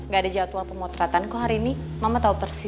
gak ada jadwal pemotretan kok hari ini mama tahu persis